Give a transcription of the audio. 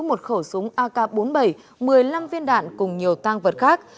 một khẩu súng ak bốn mươi bảy một mươi năm viên đạn cùng nhiều tăng vật khác